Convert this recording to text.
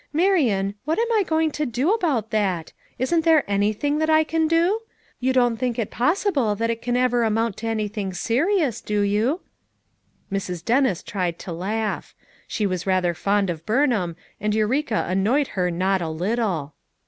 Marian, what am I going to do about that? Isn't there anything that I can do? You don't think it possible that it can ever amount to something serious, do you?" Mrs. Dennis tried to laugh; she was rather fond of Burnham, and Eureka annoyed her not a little.